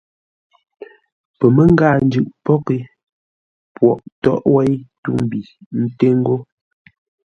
Pəmə́ngáa-njʉʼ pwóghʼ é, Pwogh tóghʼ wéi tû-mbi nté ńgó.